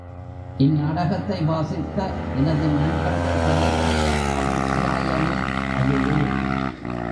இந்நாடகத்தை வாசித்த எனது நண்பர்கள் பலருடைய அபிப்பிராயமும் அதுவே.